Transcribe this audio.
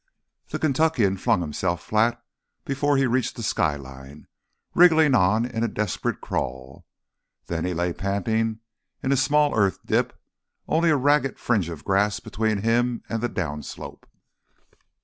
The Kentuckian flung himself flat before he reached the skyline, wriggling on in a desperate crawl. Then he lay panting in a small earth dip, only a ragged fringe of grass between him and the down slope.